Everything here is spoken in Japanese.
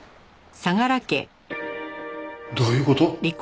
どういう事？